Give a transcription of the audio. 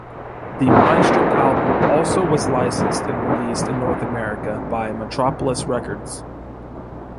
The "Mindstrip" album also was licensed and released in North America by Metropolis Records.